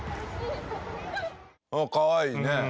かわいいね。